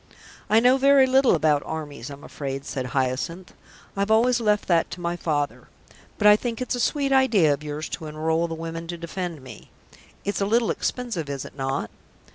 "I know very little about armies, I'm afraid," said Hyacinth. "I've always left that to my father. But I think it's a sweet idea of yours to enrol the women to defend me. It's a little expensive, is it not?"